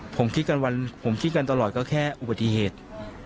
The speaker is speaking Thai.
ผมคิดกันวันผมคิดกันตลอดก็แค่อุบัติเหตุ